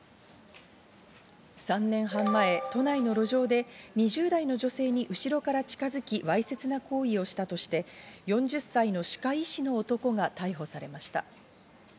３年半前、都内の路上で２０代の女性に後ろから近づきわいせつな行為をしたとして、４０歳の歯科医師の男が逮捕されました。